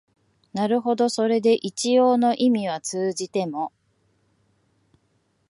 なるほどそれで一応の意味は通じても、